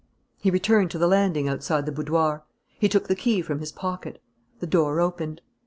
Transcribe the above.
He returned to the landing outside the boudoir. He took the key from his pocket. The door opened.